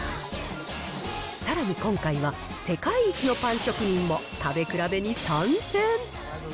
さらに今回は、世界一のパン職人も、食べ比べに参戦。